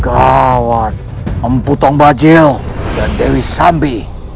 gawat empu tong bajil dan dewi sambi